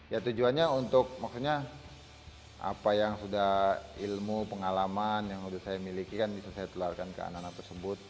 ya tujuannya untuk maksudnya apa yang sudah ilmu pengalaman yang sudah saya miliki kan bisa saya tularkan ke anak anak tersebut